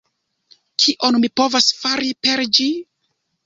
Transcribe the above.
Kion mi povas fari per ĝi?